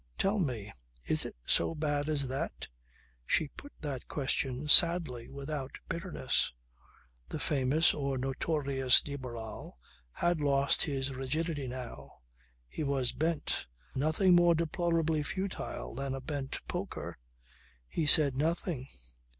"Tell me, is it so bad as that?" She put that question sadly, without bitterness. The famous or notorious de Barral had lost his rigidity now. He was bent. Nothing more deplorably futile than a bent poker. He said nothing.